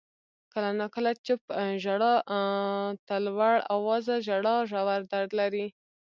• کله ناکله چپ ژړا تر لوړ آوازه ژړا ژور درد لري.